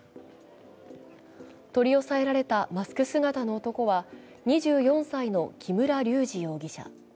取り押さえられたマスク姿の男は２４歳の木村隆二容疑者。